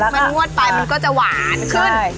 มันนวดไปมันก็จะหวานขึ้น